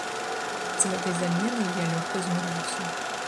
З гэтай заменай я лёгка змірыўся.